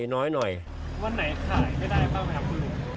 วันไหนขายได้ได้บ้างครับคุณลุง